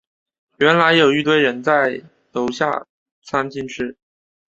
原来有一堆人都在楼下餐厅吃